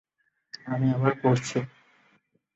আমি আবার পড়ছি।